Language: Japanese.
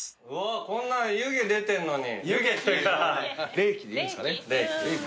冷気でいいんすかね？